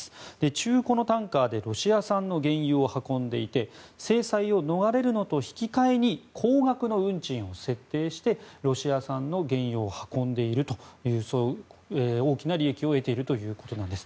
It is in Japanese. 中古のタンカーでロシア産の原油を運んでいて制裁を逃れるのと引き換えに高額な運賃を設定してロシア産の原油を運んで大きな利益を得ているということなんです。